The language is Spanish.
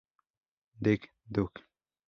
Dig Dug.